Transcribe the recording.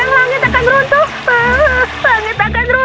dan sekarang langit akan runtuh